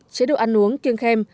chế độ ăn uống kiên khem